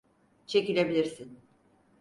Çekilebilirsin.